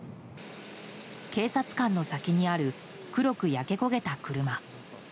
警察官の先にある黒く焼け焦げた車。